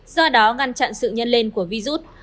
do đó ngăn chặn sự nhân lên của virus